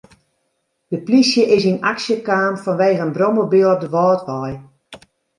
De plysje is yn aksje kaam fanwegen in brommobyl op de Wâldwei.